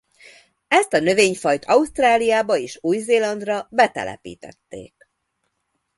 Ezt a növényfajt Ausztráliába és Új-Zélandra betelepítették.